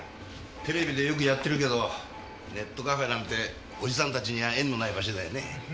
テレビでよくやってるけどネットカフェなんてオジサンたちには縁のない場所だよね。